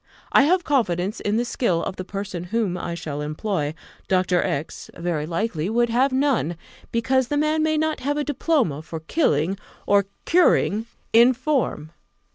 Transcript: I have confidence in the skill of the person whom I shall employ: Dr. X , very likely, would have none, because the man may not have a diploma for killing or curing in form.